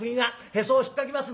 へそをひっかきますんでね。